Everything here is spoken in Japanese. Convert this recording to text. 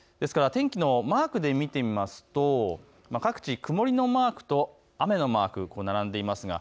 天気のマークで見ると各地、曇りのマークと雨のマーク並んでいます。